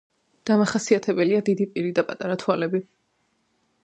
დამახასიათებელია დიდი პირი და პატარა თვალები.